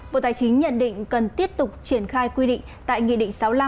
bộ tài chính nhận định cần tiếp tục triển khai quy định tại nghị định sáu mươi năm